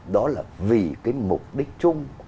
đó là vì cái mục đích chung